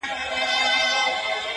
هم داسي ستا دا گل ورين مخ,